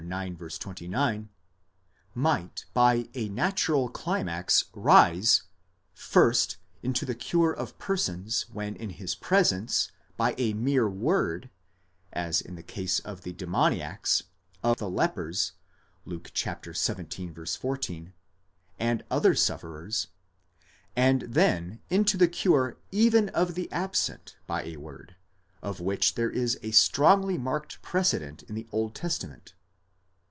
ix. 29, might by a natural climax rise, first into the cure of persons when in his presence, by a mere word, as in the case of the demoniacs, of the lepers, Luke xvii. 14, and other sufferers ; and then into the cure even of the absent by a word; of which there is a strongly marked precedent in the Old Testament.